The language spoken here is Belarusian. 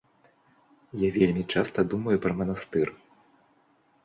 Я вельмі часта думаю пра манастыр.